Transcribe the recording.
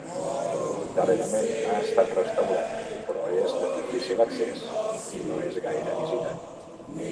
Darrerament ha estat restaurat, però és de difícil accés i no és gaire visitat.